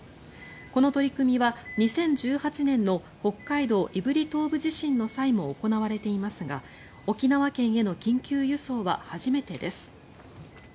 この取り組みは２０１８年の北海道胆振東部地震の際も行われていますが沖縄県への緊急輸送は初めてです。